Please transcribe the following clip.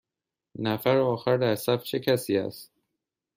نفر آخر در صف چه کسی است؟